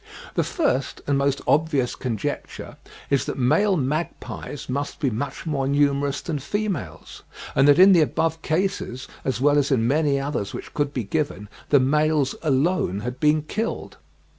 The first and most obvious conjecture is that male magpies must be much more numerous than females; and that in the above cases, as well as in many others which could be given, the males alone had been killed.